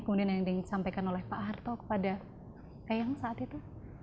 kemudian yang disampaikan oleh pak harto kepada kayang saat itu